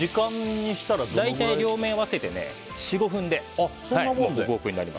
大体両面合わせて４５分で。